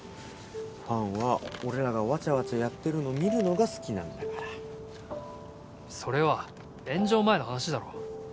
ファンは俺らがわちゃわちゃやってるの見るのが好きなんだからそれは炎上前の話だろ